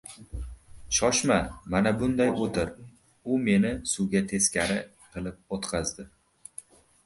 — Shoshma! Mana bunday o‘tir. — U meni suvga teskari qilib o‘tqazdi.